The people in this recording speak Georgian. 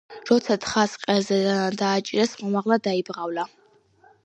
როცა თხას ყელზე დანა დააჭირეს, ხმამაღლა დაიბღავლა.